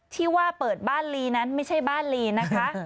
ที่ว่าเปิดบ้านลีนั้นไม่ใช่บ้านลีนะคะ